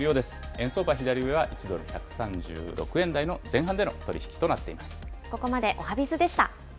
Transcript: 円相場、左上は、１ドル１３６円台前半での取り引きとなっています。